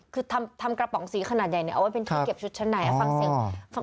คือทำกระป๋องสีขนาดใหญ่นี่เอาไปเป็นเครื่องเก็บชุดชนัดไหน